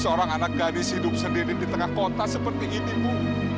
seorang anak gadis hidup sendiri di tengah kota seperti ini bu